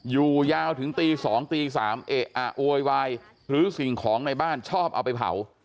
อยู่ยาวถึงตี๒ตี๓เอะอะโวยวายหรือสิ่งของในบ้านชอบเอาไปเผา